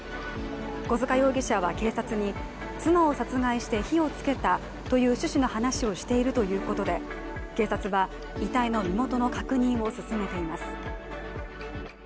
小塚容疑者は警察に、妻を殺害して火をつけたという趣旨の話をしているということで警察は遺体の身元の確認を進めています。